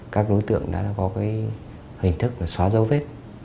các đối tượng đã có hình thức xóa dấu vết